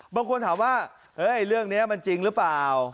บางคนถามว่าเรื่องนี้มันจริงหรือเปล่า